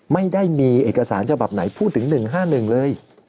ไม่ได้มีเอกสารฉบับไหนพูดถึง๑๕๑เลย